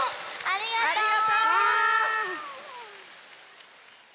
ありがとう！